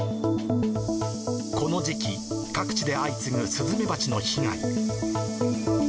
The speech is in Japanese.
この時期、各地で相次ぐスズメバチの被害。